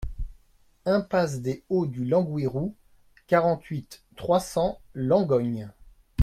Impasse des Hauts du Langouyrou, quarante-huit, trois cents Langogne